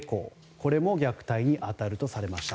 これも虐待に当たるとされました。